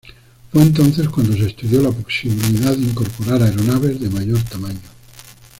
Fue entonces cuando se estudió la posibilidad de incorporar aeronaves de mayor tamaño.